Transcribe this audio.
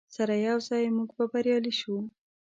سره یوځای موږ به بریالي شو.